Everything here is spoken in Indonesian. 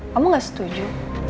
kamu gak setuju